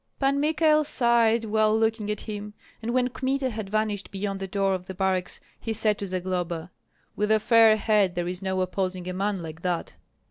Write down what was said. Pan Michael sighed while looking at him; and when Kmita had vanished beyond the door of the barracks he said to Zagloba, "With a fair head there is no opposing a man like that."